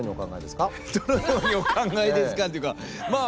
「どのようにお考えですか」っていうかまあ